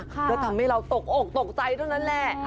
ก็ทำให้เราตกอกตกใจเท่านั้นแหละ